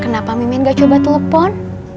kenapa mimin gak coba telepon